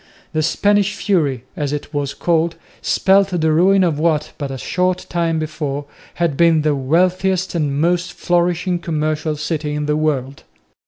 The "Spanish Fury," as it was called, spelt the ruin of what, but a short time before, had been the wealthiest and most flourishing commercial city in the world.